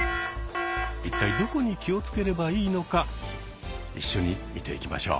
一体どこに気を付ければいいのか一緒に見ていきましょう。